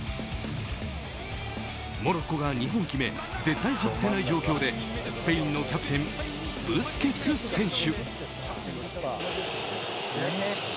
モロッコが２本決め絶対外せない状況でスペインのキャプテンブスケツ選手。